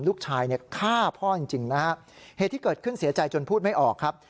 ลูกชายเนี่ยฆ่าพ่อจริงนะฮะเหตุที่เกิดขึ้นเสียใจจนพูดไม่ออกครับ